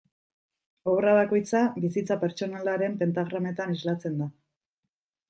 Obra bakoitza bizitza pertsonalaren pentagrametan islatzen da.